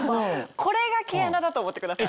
これが毛穴だと思ってください。